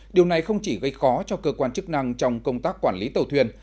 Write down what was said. điều này không chỉ gây khó cho cơ quan chức năng trong công tác quản lý tàu thuyền